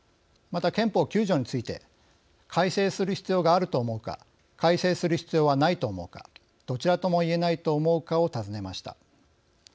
また、憲法９条について改正する必要があると思うか改正する必要はないと思うかどちらともいえないと思うかを尋ねました。